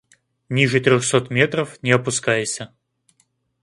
Ниже трёх сот метров не опускайся.